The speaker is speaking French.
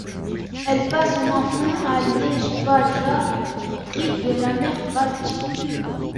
Elle passe son enfance à Liepāja, sur les rives de la mer Baltique.